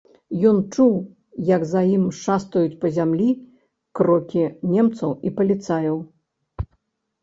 Ён чуў, як за ім шастаюць па зямлі крокі немцаў і паліцаяў.